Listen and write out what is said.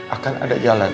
akan ada jalan